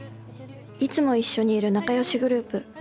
いつもいっしょにいる仲良しグループ。